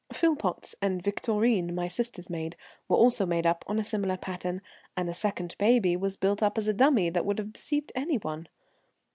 Philpotts and Victorine, my sister's maid, were also made up on a similar pattern, and a second baby was built up as a dummy that would have deceived any one.